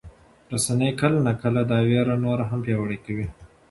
رسنۍ کله ناکله دا ویره نوره هم پیاوړې کوي.